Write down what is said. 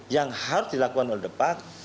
yang harus dilakukan oleh depark